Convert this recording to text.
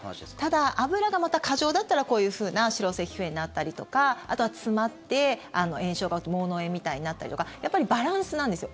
ただ脂がまた過剰だったらこういうふうな脂漏性皮膚炎になったりとかあとは詰まって炎症が起きて毛嚢炎みたいになったりとかやっぱりバランスなんですよ。